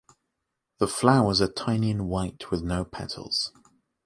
The flowers are tiny and white with no petals.